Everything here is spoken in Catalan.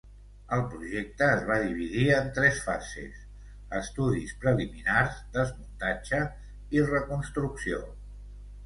El projecte es va dividir en tres fases: estudis preliminars, desmuntatge i reconstrucció.